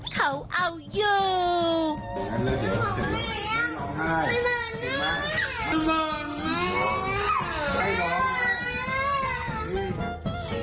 เขาเอาอยู่